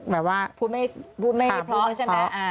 แบบว่าพูดไม่เพราะใช่ไหม